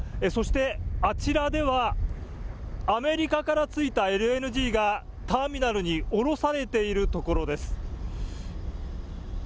そしてあちらではアメリカから着いたＬＮＧがターミナルに下ろされているところです。